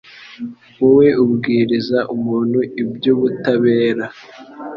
wowe ubwiriza umuntu iby’ubutabera